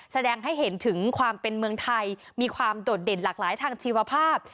แสดงให้เห็นถึงความเป็นเมืองไทยมีความโดดเด่นหลากหลายทางชีวภาพ